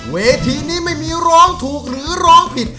เวทีนี้ไม่มีร้องถูกหรือร้องผิด